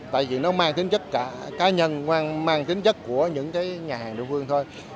tại vì nó mang tính chất cá nhân mang tính chất của những nhà hàng địa phương thôi